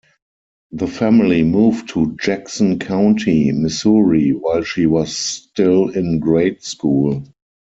The family moved to Jackson County, Missouri while she was still in grade school.